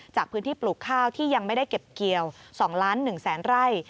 จากพื้นที่ปลูกข้าวที่ยังไม่ได้เก็บเกี่ยว๒ล้าน๑แสนไร่